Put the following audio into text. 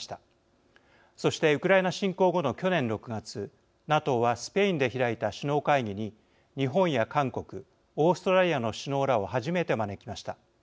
そしてウクライナ侵攻後の去年６月ＮＡＴＯはスペインで開いた首脳会議に日本や韓国オーストラリアの首脳らを初めて招きました。